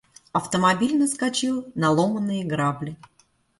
Автомобиль наскочил на ломанные грабли.